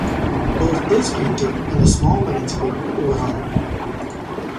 Both this painting and a small landscape were hung.